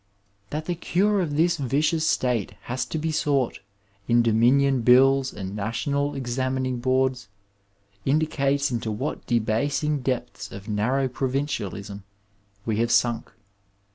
That the cure of this vicious state has to be sought in Dominion bills and National examining boards, indicates into what debasing depths of narrow provincialism we have sunk.